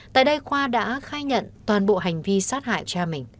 tại đây khoa đã khai nhận toàn bộ hành vi sát hại cha mình